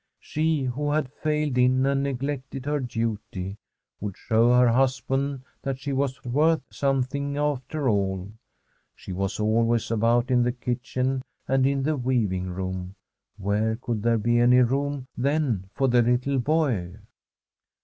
She, who had failed in and neglected her duty, would show her husband that she was worth something after all. She was always about in the kitchen and in the weaving room. Where could there be any room, then, for the little boy